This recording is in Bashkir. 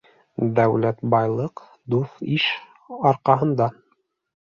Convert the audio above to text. Дәүләт-байлыҡ дуҫ-иш арҡаһында